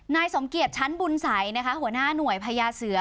นายสมเกียจชั้นบุญสัยนะคะหัวหน้าหน่วยพญาเสือ